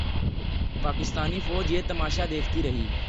پاکستانی فوج یہ تماشا دیکھتی رہی۔